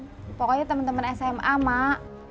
tapi temen temen sma mak